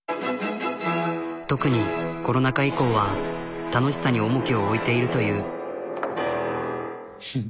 特にコロナ禍以降は楽しさに重きを置いているという。